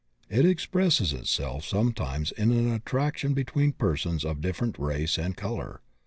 It expresses itself sometimes in an attraction between persons of different race and color.